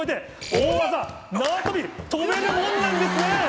大技縄跳び跳べるもんなんですね！